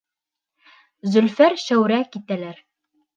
Зөлфәр, Шәүрә китәләр.